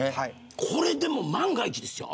これ万が一ですよ。